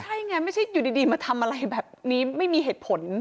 ใช่ไงไม่ใช่อยู่ดีมาทำอะไรแบบนี้ไม่มีเหตุผล